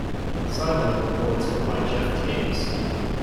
Sideline reports were by Jeff Taves.